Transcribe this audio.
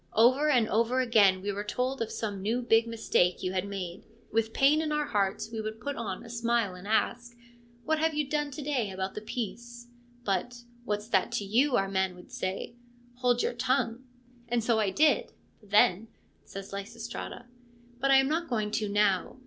Over and over again we were told of some new big mistake you had made. With pain in our hearts we would put on a smile and ask, ' What have you done to day about the peace ?'' But — what's that to you ?' our man would say. ' Hold your tongue.' And so I did, then (says Lysistrata), but I am not going to now.